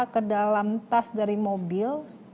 ke dalam tas dari mobil